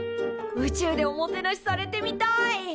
宇宙でおもてなしされてみたい！